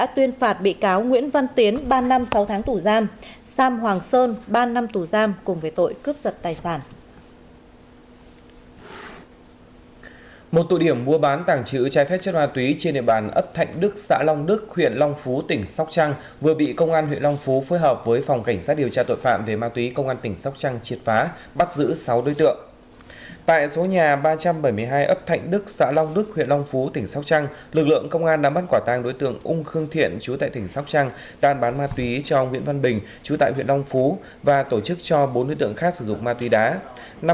tại số nhà ba trăm bảy mươi hai ấp thạnh đức xã long đức huyện long phú tỉnh sóc trăng lực lượng công an đã bắt quả tàng đối tượng ung khương thiện chú tại tỉnh sóc trăng đàn bán ma túy cho nguyễn văn bình chú tại huyện long phú và tổ chức cho bốn đối tượng khác sử dụng ma túy đá